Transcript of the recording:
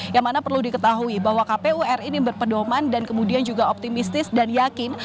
yang mana perlu diketahui bahwa kpu ri ini berpedoman dan kemudian juga optimistis dan yakin